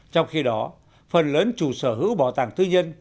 trong khi đó phần lớn chủ sở hữu bảo tàng tư nhân